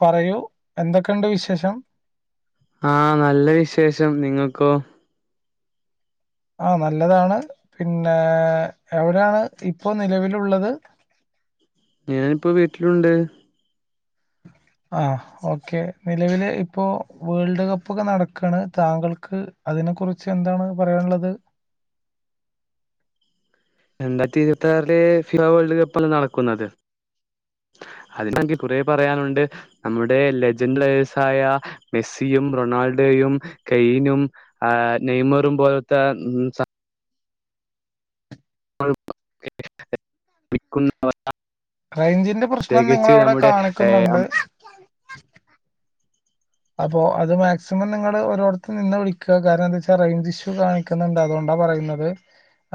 പറയൂ എന്തൊക്കെയണ്ട് വിശേഷം ശേഷം നിങ്ങൾക്കോ ആ നല്ലതാണ് പിന്നെ എവിടെയാണ് ഇപ്പൊ നിലവിലുള്ളത് ഞാനിപ്പോ വീട്ടിലുണ്ട് ആ ഓക്കെ നിലവില് ഇപ്പോ വേൾഡ് കപ്പ് ഒക്കെ നടക്കാണ് താങ്കൾക്ക് അ അതിനെ കുറിച്ച് എന്താണ് പറയാനുള്ളത് രണ്ടായിരത്തി ഇരുപത്തി ആറിലെ ഫിഫ വേൾഡ് കപ്പല്ല നടക്കുന്നത് അതിനങ്കിൽ കുറേ പറയാനുണ്ട് നമ്മുടെ ലെജൻറ്ഴ്സ ആയ മെസ്സി യും റൊണാൾഡോയും കൈനും ആ നെയ്മറും പോലത്തെ [unintelligible] റേഞ്ചിന്റെ പ്രശ്നം നിങ്ങള പ്രത്യേകിച്ച് അവിടെ നമ്മുടെ ഏഹ് കാണിക്കുന്നുണ്ട് അപ്പൊ അത് മാക്സിമം നിങ്ങൾ [unintelligible] നിന്ന് വിളിക്കുക കാരണം എന്താ വെച്ചാ റേഞ്ച് ഇഷ്യൂ കാണിക്കുന്നുണ്ട് അതുകൊണ്ടാ പറയുന്നത്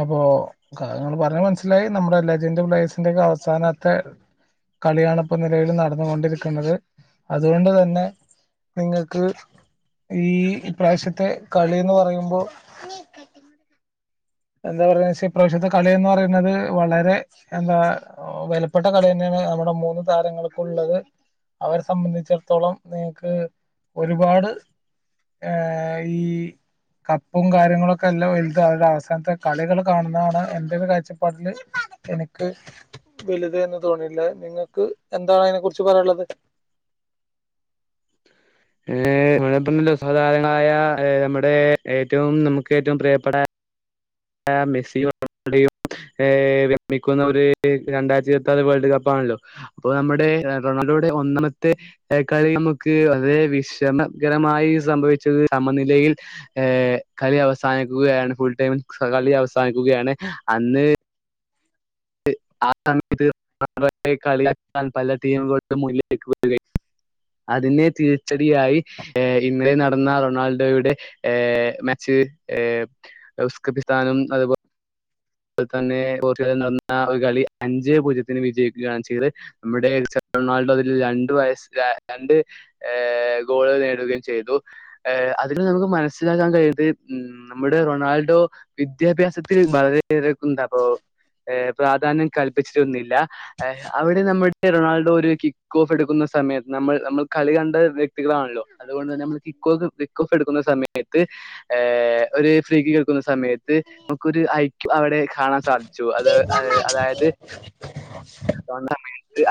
അപ്പൊക്കങ്ങള് പറഞ്ഞഞ് മനസ്സിലായി നമ്മുടെ ലജൻ്റ് പ്ലേ്സിന്റെ ഒക്കെ അവസാനത്തെ കളിയണിപ്പ നിലവിൽ നടന്നുകൊണ്ടിരിക്കുന്നത് അതുകൊണ്ട് തന്നെ നിങ്ങൾക്ക് ഈ പ്രാവശ്യത്തെ കളിന്ന് പറയുമ്പോ എന്താ പറയെ ഇപ്രാവശ്യത്തെ കളിന്ന് പറയുന്നത് വളരെ എന്താ വിലപ്പെട്ട കളി തന്നെയാണ് നമ്മുടെ മൂന്ന് താരങ്ങൾക്കുള്ളത് അവരെ സംബന്ധിച്ചിടത്തോളം നിങ്ങക്ക് ഒരുപാട് ഏ ഈ കപ്പും കാര്യങ്ങളൊക്കെ എല്ലാം വലുത അവരുടെ അവസ്ഥ ങ്ങനത്തെ കളികൾ കാണുന്നതാണ് എന്റെ ഒരു കാഴ്ചപ്പാട്ടില് എനിക്ക് വലുത് എന്ന് തോന്നിയില്ല നിങ്ങക്ക് എന്താണ് അതിനെ കുറിച്ച് പറയാനുള്ളത് [inaudible] [unintelligible] സാധാരണായ നമ്മുടെ ഏറ്റവും നമുക്ക് ഏറ്റവും പ്രിയപ്പെട്ട മെസ്സിയും റൊണാൾഡയും ഹേ വിരമിക്കുന്ന ഒരു രണ്ടായിരത്തി ഇരുപത്തിയാറ് വേൾഡ് കപ്പാണല്ലോ അപ്പൊ നമ്മുടെ റൊണാൾഡോ നമ്മുടെ ഒന്നാമത്തെ കളി നമുക്ക് വളരെ വിഷമകരമായി സംഭവിച്ചത് സമനില [unintelligible] കളി അവസാനിക്കുകയാണ് ഫുൾ ടൈമ കളി അവസാനിക്കുകയാണ് അന്ന് ആ സമയത്ത് കളികളിക്കാൻ പല ടീമുകളും മുന്നിലേക്ക് വരുകയും അതിനെ തിരിച്ചടിയായി ഇന്നലെ നടന്ന റൊണാൾഡോയുടെ മാച്ച് ഉസ്കക്കിസ്ഥാനും അതുപോലെ അതുപോലെ തന്നെ പോര്‍ച്ചുഗൽ നടന്ന ഒരു കളി അഞ്ച് പൂജ്യത്തിന് വിജയിക്കുകയാണ് ചെയ്തത് നമ്മുടെ റൊണാൾഡോ അതിൽ രണ്ട് വയസ് രണ്ട് ഗോളുകൾ നേടുകയും ചെയ്തു അതിൽ നമുക്ക് മനസ്സിലാക്കാൻ കഴിയുന്നത് നമ്മുടെ റൊണാൾഡോ വിദ്യാഭ്യാസത്തിൽ വളരെ [unintelligible] അപ്പോ പ്രാധാന്യം കൽപ്പിച്ചിട്ടൊന്നില്ല അവിടെ നമ്മുടെ റൊണാൾഡോ ഒരു കിക്ക് ഓഫ് എടുക്കുന്ന സമയത്ത് നമ്മൾ നമ്മൾ കളി കണ്ട വ്യക്തികളാണല്ലോ അതുകൊണ്ട് തന്നെ നമ്മുക്ക് കിക്ക് ഓഫ് എടുക്കുന്ന സമയത്ത് ഒരു ഫ്രീക്കിക്ക് എടുക്കുന്ന സമയത്ത് നമുക്കൊരു ഐക്യു അവിടെ കാണാൻ സാധിച്ചു അത് അതായത്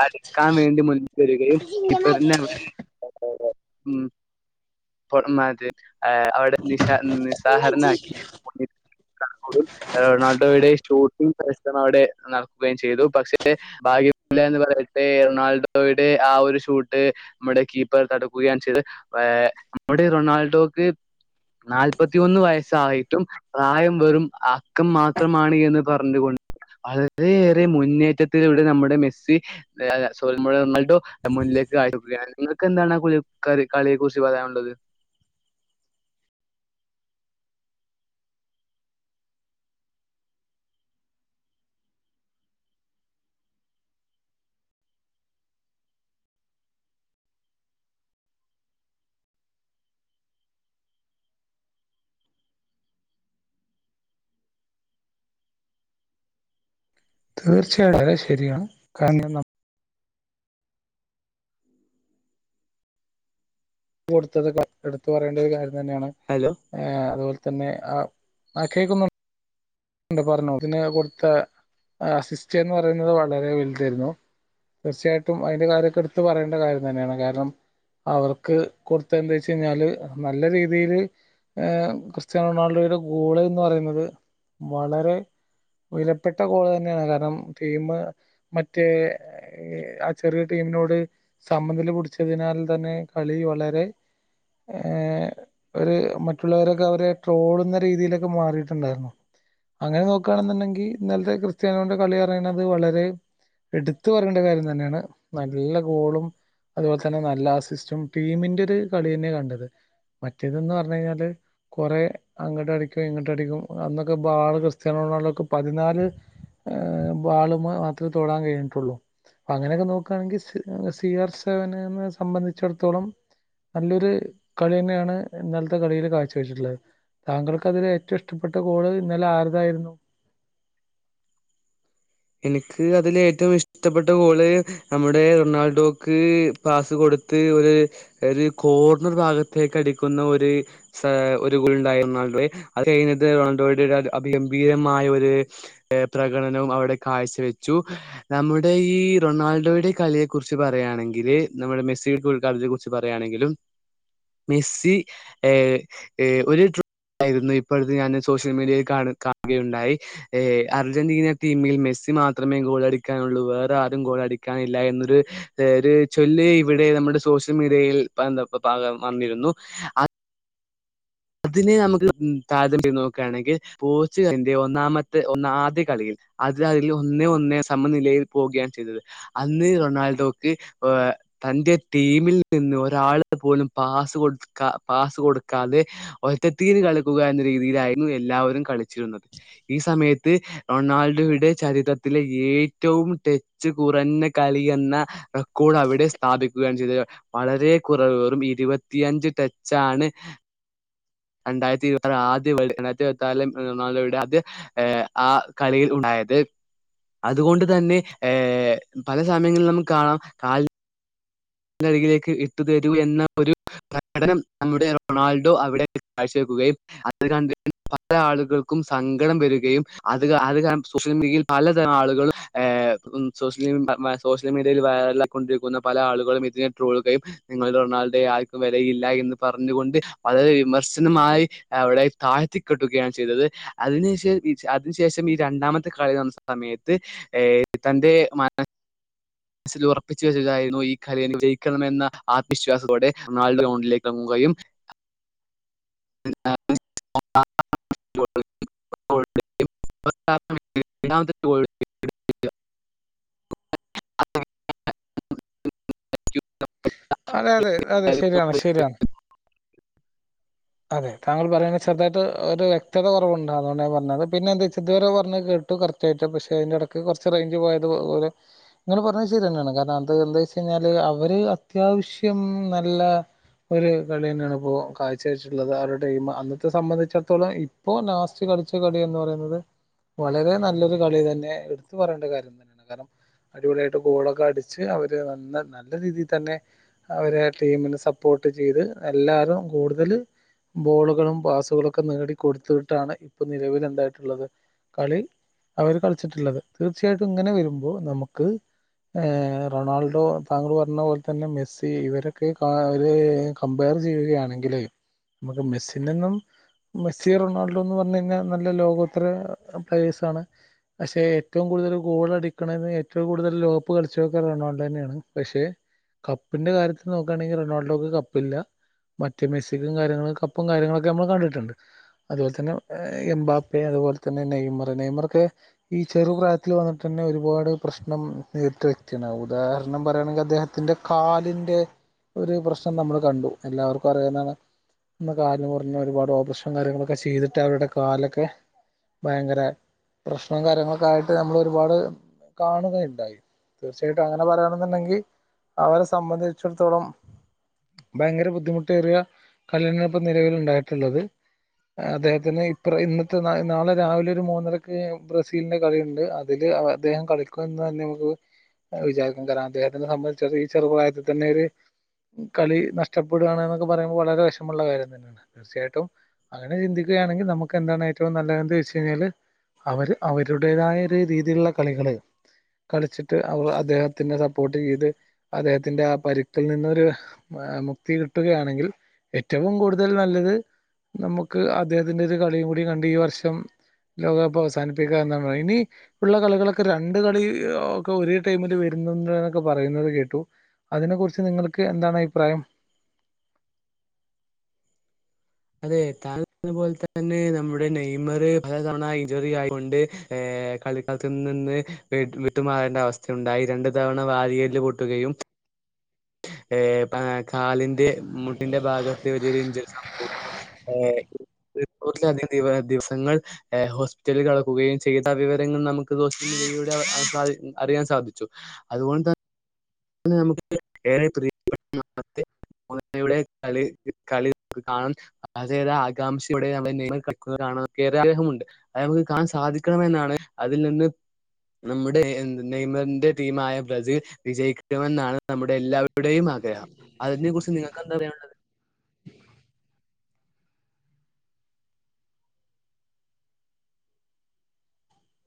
അടുക്കാൻ വേണ്ടി മുന്നിലേക്ക് വരികയും കീപ്പറിനെ ഉം [unintelligible] അവിടെ നി നിസാഹകരനാക്കി റൊണാൾഡോയുടെ ഷൂട്ടിംഗ് അവിടെ നടക്കുകയും ചെയ്തു പക്ഷേ ഭാഗ്യമില്ലാന്ന് പറയട്ടെ റൊണാൾഡോയുടെ ആ ഒരു ഷൂട്ട് നമ്മുടെ കീപ്പർ തടുക്കുകയാണ് ചെയ്ത് ഏ നമ്മുടെ റൊണാൾഡോക്ക് നാല്പത്തിയൊന്ന് വയസ്സായിട്ടും പ്രായം വെറും അക്കം മാത്രമാണ് എന്ന് പറഞ്ഞുകൊണ്ട് വളരെയേറെ മുന്നേറ്റത്തിൽ ഇവിടെ നമ്മുടെ മെസ്സി സോറി നമ്മുടെ റൊണാൾഡോ മു നിങ്ങൾക്ക് എന്താണ് കളിയെ കുറിച്ച് പറയാനുള്ളത് തീര്‍ച്ചയായിട്ടും വളരെ ശരിയാണ് കാരണം ന കൊടുത്തത് എടുത്ത് പറയേണ്ട ഒരു കാര്യം തന്നെയാണ് ഹലോ അതുപോലെ തന്നെ ആ ആ കേൾക്കുന്നു ഉണ്ട് പറഞ്ഞോ പിന്നെ കൊടുത്ത അസിസ്റ്റ് എന്ന് പറയുന്നത് വളരെ വലുതായിരുന്നു തീർച്ചയായിട്ടും അതിന്റെ കാര്യമൊക്കെ എടുത്ത പറയേണ്ട കാര്യം തന്നെയാണ് കാരണം അവർക്ക് കൊടുത്ത് എന്താവെച്ച് കഴിഞ്ഞാൽ നല്ല രീതിയിൽ ഏ ക്രിസ്റ്റ്യാനോ റൊണാൾഡോയുടെ ഗോൾ എന്ന് പറയുന്നത് വളരെ വിലപ്പെട്ട ഗോൾ തന്നെയാണ് കാരണം ടീം മറ്റേ ആ ചെറിയ ടീം നോട് സമനിലപിടിച്ചതിനാൽ തന്നെ കളി വളരെ ഏ ഒരു മറ്റുള്ളവരൊക്കെ അവരെ ട്രോളുന്ന രീതിയിലൊക്കെ മാറിയിട്ടുണ്ടായിരുന്നു അങ്ങനെ നോക്കുകയാണെന്നുണ്ടെങ്കിൽ ഇന്നലത്തെ ക്രിസ്റ്റ്യാനോ റൊണാൾഡോയുടെ കളി പറയുന്നത്‌ വളരെ എടുത്തു പറയേണ്ട കാര്യം തന്നെയാണ് നല്ല ഗോളും അതുപോലെ തന്നെ നല്ല അസിസ്റ്റും ടീമിന്റെ ഒരു കളി തന്നെ കണ്ടത് മറ്റേതന്ന് പറഞ്ഞ് കഴിഞ്ഞാൽ കൊറേ അങ്ങോട്ടടിക്കും ഇങ്ങോട്ടടിക്കും അതൊക്കെ ബാൾ ആള് ക്രിസ്റ്റ്യാനോ റൊണാൾഡക്ക് പതിനാല് ഏ വാൾ മാത്രമേ തോടാൻ കഴിഞ്ഞിട്ടുള്ളൂ അപ്പ അങ്ങനെയൊക്കെ നോക്കുകയാണെങ്കിൽ സി ആർ സവനിനെ സംബന്ധിച്ചിടത്തോളം നല്ലൊരു കളി തന്നെയാണ് ഇന്നലത്തെ കളിയിൽ കാഴ്ച വെച്ചിട്ടുള്ളത് താങ്കൾക്ക് അതിൽ ഏറ്റവും ഇഷ്ടപ്പെട്ട ഗോൾ ഇന്നലെ ആര്തായിരുന്നു എനിക്ക് അതിൽ ഏറ്റവും ഇഷ്ടപ്പെട്ട ഗോൾ നമ്മുടെ റൊണാൾഡോക്ക് പാസ് കൊടു ത്ത് ഒരു ഒരു കോർണർ ഭാഗത്തേക്ക് അടിക്കുന്ന ഒരു ഒരു ഗോൾ ഉണ്ടായിരുന്നു റൊണാൾഡോ അത് കഴിുന്നത് റൊണാൾഡോയുടെ അഭഗംഭീരമായ ഒരു പ്രകടനവും അവിടെ കാഴ്ചവെച്ചു നമ്മുടെ ഈ റൊണാൾഡോയുടെ കളിയെ കുറിച്ച് പറയുകയാണെങ്കിൽ നമ്മുടെ മെസ് സീട്ടൾക്കാരത്തെ കുറിച്ച് പറയുകയാണെങ്കിലും മെസ്സി ഏ ഏ രു ആയിരുന്നു. ഇപ്പടുത്ത് ഞാൻ സോഷ്യൽ മീഡിയയിൽ കാണ് കാണുകയുണ്ടായി. ഏ അർജന്റീന ടീമിൽ മെസ്സി സ്സി മാത്രമേ ഗോളടിക്കാനുള്ളൂ, വേറെ ആരും ഗോളടിക്കാനില്ല എന്നൊരു ഒരു ചൊല്ല് ഇവിടെ നമ്മുടെ സോഷൽ മിഡിയയിൽ [unintelligible] വന്നിരുന്നു. അതിനെ നമ്മക്ക് താരതമ്യം ചെയ്ത് നോക്കാണെങ്കിൽ [unintelligible] ഒന്നാമത്തെ ആദ്യ കളിയിൽ അത് അതിൽ ഒന്നേ ഒന്ന് സമനിലയിൽ പോകുകയാണ് ചെയ്തത്. അന്ന് റൊണാൾഡോക്ക് ഏ തന്റെ ടീമിൽനിന്ന് ഒരാള് പോലും പാസ് കൊട്ക്കാ പാസ് കൊടുക്കാതെ ഒറ്റത്തീര് കളിക്കുക എന്ന രീതിയിലായിരുന്നു എല്ലാവരും കളിച്ചിരുന്നത്. ഈ സമയത്ത് ഓ റൊണാൾഡോയുടെ ചരിത ത്തില ഏറ്റവും ടച്ച് കുറഞ്ഞ കളിയെന്ന റെക്കോർഡ് ഇവിടെ സ്ഥാപിക്കുകയാണ് ചെയ്തത്. വളരെ കുറവ്, വെറും ഇരുപ്പത്തിയഞ്ച് ടച്ചാണ് രണ്ടായിരത്തി ഇരുപത്തി [unintelligible] ആ കളിയിൽ ഉണ്ടായി അതായത് അതുകൊണ്ട് തന്നെ ഏ പല സമയങ്ങളിൽ നമുക്ക് കാണാം കാൽ നരികിലേക്ക് ഇട്ടുതരൂ എന്ന ഒരു പ്രകടനം നമ്മുടെ റൊണാൾഡോ അവിടെ കാഴ്ച വെക്കുകയും, അത് കണ്ട് പല ആളുകൾക്കും സങ്കടം വരുകയും, അതുകാരണം സോഷ്യൽ മീഡിയയിൽ പലതരം ആളുകൾ ഏ സോഷ്യൽ സോഷ്യൽ മീഡിയയിൽ വൈറലായിക്കൊണ്ടിരിക്കുന്ന പല ആളുകളും ജിയെ ട്രോളുകയും, നിങ്ങൾ റൊണാൾഡോയെ ആർക്കും വെലയില്ല എന്നു പറഞ്ഞുകൊണ്ട് വിമർശനമായ്‌ അവിടെ താഴ്ത്തി കെട്ടുകയാണ് ചെയ്തത്. അതിനുശേ അതിനു ശേഷം ഈ രണ്ടാമത്തെ കളി സമയത്ത് ഏ തന്റെ മന മനസ്സിൽ ഉറപ്പിച്ച് വെച്ചതായിരുന്നു ഈ കളിയിൽ വിജയിക്കണമെന്ന ആവിശ്വാസത്തോടെ [unintelligible] [unintelligible] [inaudible] [unintelligible] [unintelligible] അതെ അതെ അതെ ശരിയാണ്, ശരിയാണ്. അതെ, താങ്കൾ പറഞ്ഞത് ചെറുതായിട്ട് ഒരു വ്യക്തത കുറവുണ്ട്, അതോണ്ടാ ഞാൻ പറഞ്ഞത്. പിന്നെ എന്താച്ചാ ഇതുവരെ പറഞ്ഞത് കേൾ ടു കറക്റ്റ് ആയിട്ട് പക്ഷേ അയിന്റ എടക്ക് കൊറച്ച് റേയിഞ്ച് പോയത് പോലെ നിങ്ങള് പറഞ്ഞേ ശരിയെന്നെയാണ് കാരണം അത് എന്ത് വെച്ച് ല് അവര് അത്യാവശ്യം നല്ല ഒരു കളിന്നെയാണ് ഇപ്പോ ക അത്യാവശ്യമുള്ളആ ടൈം അന്നത്തെ സംബന്ധിച്ചിടത്തോളം ഇപ്പോൾ ലാസ്റ്റ് കളിച്ച കളിന്ന് പറയുന്നത് വളരെ നല്ലൊരു കളി തന്നെ എടുത്തു പറയേണ്ട കാര്യം തന്നെയാണ് കാരണം അടിപൊളിയായിട്ട് ഗോളൊക്കെ അടിച്ച് അവര് നല്ല രീതിയിൽ തന്നെ അവരെ ടീമിന് സപ്പോർട്ട് പ്പോർട്ട് ചെയ്ത് എല്ലാരും കൂടുതല് ബോളുകളും പാസുകളൊക്കെ നേടി കൊടുത്ത്ട്ടാണ് ഇപ്പൊ നിലവിൽ എന്തായിട്ടുള്ളത് കളി അവര് കളിച്ചിട്ടുള്ളത് തീർച്ചയായിട്ടും ഇങ്ങനെ വരുമ്പോ നമുക്ക് എ റൊണാൾഡോ താങ്കൾ പറഞ്ഞ പോലെ തന്നെ മെസ്സി ഇവരൊക്കെ കമ് ർ ചെയ്യുകയാണെങ്കില് നമുക്ക് മെസ്സിൽന്നും മെസ്സി റൊണാൾഡോന്ന് പറഞ്ഞു കയ്ഞ്ഞാ നല്ല ലോകോത്തര പക്ഷെ ഏറ്റവും കൂടുതൽ ഗോൾടിക്കണത് ഏറ്റവും കൂടുതൽ ലോപ്പ് കളിച്ച് റൊണാൾഡോആണ് യ ണ് പക്ഷേ കപ്പിന്റെ കാര്യത്തിൽ നോക്കാണെങ്കില് റൊണാൾഡോക്ക് കപ്പില്ല മറ്റ മിസ് കപ്പും കാര്യങ്ങളും കണ്ടിട്ട്ണ്ട് അതുപോലെതന്നെ എം ബാ പ്പെ അതുപോലെതന്നെ നെയിം നെയ്മറൊക്കെ ഈ ചെറുപ്രായത്തില് വന്നിട്ടെന്നെ ഒരുപാട് പ്രശ്നം നേരിട്ട വ്യക്തിയാണ്. ഉദാഹരണം, കാരണം പറയണെങ്കിൽ അദ്ദേഹത്തിൻ്റെ കാലിൻ്റെ ഒരു പ്രശ്നം നമ്മള് കണ്ടു എല്ലാവർക്കും അറിയാവുന്നതാണ് ഒന്നു കാല് മുറിഞ്ഞ് ഒരുപാട് ഓപ്പറേഷനും കാര്യങ്ങളൊക്കെ ചെയ്തിട്ട് അവരുടെ കാലൊക്കെ ഭയങ്കര, പ്രശ്നം കാര്യങ്ങളൊക്കെ ആയിട്ട് നമ്മൾ ഒരുപാട് കാണുകയുണ്ടായി. തീർച്ചയായിട്ടും അങ്ങനെ പറയണെന്നുണ്ടെങ്കിൽ അവരെ സംബന്ധിച്ചിടത്തോളം ഭയങ്കര ബുദ്ധിമുട്ടേറിയ കല്യങ്ങള ഇപ്പ നിലവിൽ ഉണ്ടായിട്ടുള്ളത് അദ്ദേഹത്തിന് ഇപ്പറ ഇന്നത്തെ നാളെ രാവിലെ ഒരു മൂന്നരക്ക് ബ്രസീലിന്റെ കളിയുണ്ട് അതില് അദ്ദേഹം കളിക്കും എന്ന് തന്നെ നമുക്ക് വിചാരിക്കൻ കാരണം അദ്ദേഹത്തിനെ സംബന്ധിച്ചി ഈ ചെറുപ്രായത്തിൽന്നെ ഒരു കളി നഷ്ടപ്പെടുകയാണ് എന്നൊക്കെ പറയുമ്പോൾ വളരെ വി ഇഷ്ടമ കയം തന്നെയാണ് തീർച്ചയായിട്ടും അങ്ങനെ ചിന്തിക്കയാണെങ്കിൽ നമുക്ക് എന്താണ് ഏറ്റവും നല്ലത് വെച്ച് കഴിഞ്ഞാല് അവര് അവരുടേതായ ഒരു രീതിയിലുള്ള കളികള് കളിച്ചിട്ട് അവർ അദ്ദേഹത്തിന്റെ സപ്പോർട്ട് ചെയ്ത് അദ്ദേഹത്തിന്റെ ആ പരുക്കിൽ നിന്നൊരു മുക്തി കിട്ടുകയാണെങ്കിൽ ഏറ്റവും കൂടുതൽ നല്ലത് നമുക്ക് അദ്ദേഹത്തിന്റെ ഒരു കളിയും കൂടി കണ്ട് ഈ വർഷം ലോകകപ്പ് അവസാനിപ്പിക്കുക ഇനി ഉള്ള കളികളൊക്കെ രണ്ട് കളി ഒക്കെ ഒരേ ടൈമില് വര ക്കെ പറയുന്നത് കേട്ടു അതിനെ കുറിച്ച് നിങ്ങൾക്ക് എന്താണ് അഭിപ്രായം അതെ ഞാതു പോലെ തന്നെ നമ്മുടെ നെയ്മർ പല തവണ ഇഞ്ചുറി ആയൊണ്ട് കളിക്കളത്തി നിന്ന് വിട്ടുമാറേണ്ട അവസ്ഥയുണ്ടായി രണ്ടു തവണ വാരിയല്ല് പൊട്ടുകയും ഏ കാലിൻ്റെ മുട്ടിന്റെ ഭാഗത്ത് വലിയൊരു ഇഞ്ചുറി സംഭവ ഏ നൂറിലധികം ദിവസൾ ഹോസ്പിറ്റലിൽ കടക്കുകയും ചെയ്ത വിവരങ്ങൾ നമുക്ക് ദോ അറിയാൻ സാധിച്ചു അതുകൊണ്ട് തന്നെ എ നമുക്ക് ഏറെ പ്രിയപ്പെട്ട യുടെ കളി കളി കാണാൻ അത് ആകാംക്ഷോടെ നമ്മള് കാ ആഗ്രഹമുണ്ട് അത് നമുക്ക് കാണാൻ സാധിക്കണമെന്നാണ് അതിൽ നിന്ന് നമ്മുടെ നെയ്മറിന്റെ ടീമായ ബ്രസീൽ വിജയിക്ക ണമെന്നാണ് നമ്മുടെ എല്ലാവരുടെയും ആഗ്രഹം അതിനെ കുറിച്ച് നിങ്ങൾക്ക് എന്താ പററിയാനുള്ളത്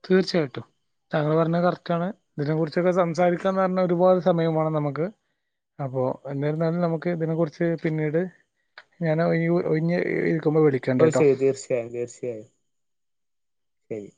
തീർച്ചയായിട്ടും താങ്കൾ പറഞ്ഞത് കറക്റ്റ് ആണ് ഇതിനെ കുറിച്ചൊക്കെ സംസാരിക്കാന്ന് പറഞ്ഞ ഒരുപാട് സമയമാണ് നമുക്ക് അപ്പൊ എന്നിരുന്നാലും നമുക്ക് ഇതിനെ കുറിച്ച് പിന്നീട് ഞൻ ഒഴിഞ്ഞ് ഇരിക്കുമ്പോ ഓ വിളിക്കണ്ട് ട്ടോ ശരി തീർച്ചയായും തീർച്ചയായും ശരി